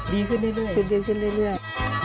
ดีขึ้นเรื่อย